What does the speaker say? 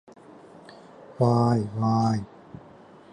わーいわーい